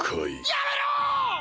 やめろ！